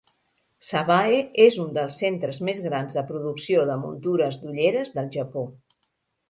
Sabae és un dels centres més grans de producció de muntures d'ulleres del Japó.